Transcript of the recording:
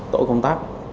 tổ công tác